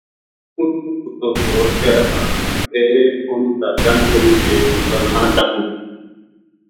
اُتو کُتو دوڑ کے آگیو میں اِنھ تا ڈَنڈ کری جے کُتا نا ڈَکو ں